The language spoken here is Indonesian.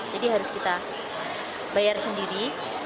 jadi harus kita bayar sendiri